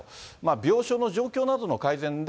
病床の状況などの改善で、